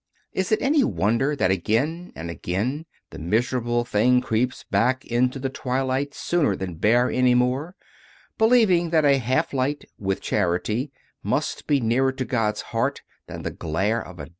Is it any wonder that again and again the miserable thing creeps back into the twilight sooner than bear any more, believ ing that a half light with charity must be nearer to God s Heart than the glare of a desert?